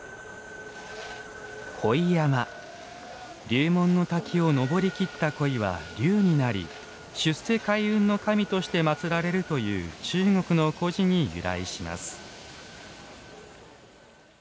「龍門の滝を登り切った鯉は、龍になり出世開運の神としてまつられる」という中国の故事に由来します。